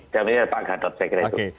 dan ini adalah pak gadot saya kira itu